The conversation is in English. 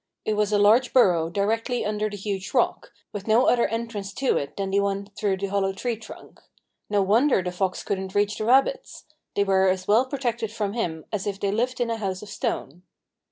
It was a large burrow directly under the huge rock, with no other entrance to it than the one through the hollow tree trunk. No wonder the fox couldn't reach the rabbits! They were as well protected from him as if they lived in a house of stone.